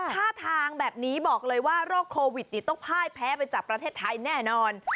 ท่าทางแบบนี้บอกเลยว่าโรคโควิดต้องพ่ายแพ้ไปจากประเทศไทยแน่นอน